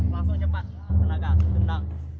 langsung cepat tenaga tendang